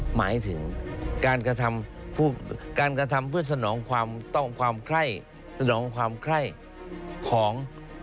หมายถึงการกระทำการกระทำเพื่อสนองความต้องความไคร้สนองความไคร่ของ